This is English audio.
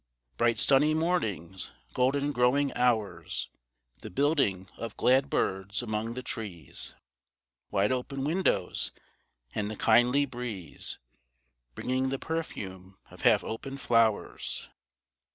Bright sunny mornings golden growing hours The building of glad birds among the trees; Wide open windows and the kindly breeze Bringing the perfume of half open flowers.